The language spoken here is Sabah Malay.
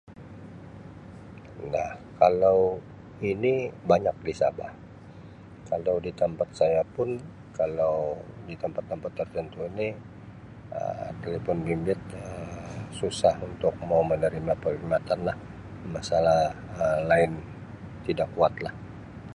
Nah kalau ini banyak di Sabah kalau di tampat saya pun kalau di tampat-tampat tertentu ni Um telefon bimbit Um susah untuk mau menerima perkhidmatan lah masalah line Um tidak kuat lah.